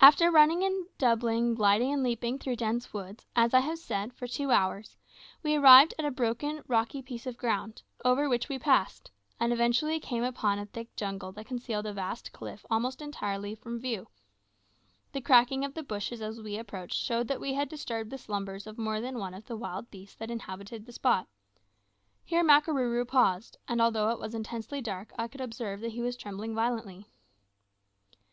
After running and doubling, gliding and leaping through the dense woods, as I have said, for two hours, we arrived at a broken, rocky piece of ground, over which we passed, and eventually came upon a thick jungle that concealed a vast cliff almost entirely from view. The cracking of the bushes as we approached showed that we had disturbed the slumbers of more than one of the wild beasts that inhabited the spot. Here Makarooroo paused, and although it was intensely dark I could observe that he was trembling violently.